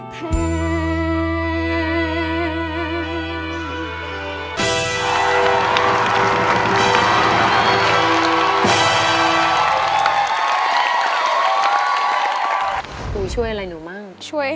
เพลงที่สองเพลงมาครับ